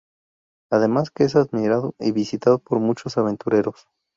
Además que es admirado y visitado por muchos aventureros.